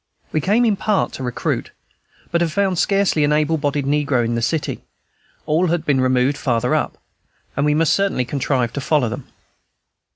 We came in part to recruit, but had found scarcely an able bodied negro in the city; all had been removed farther up, and we must certainly contrive to follow them.